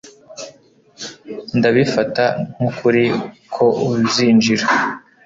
Ndabifata nkukuri ko uzinjira